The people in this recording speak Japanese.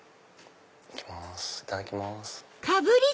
いただきます。